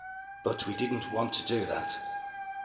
But we didn't want to do that.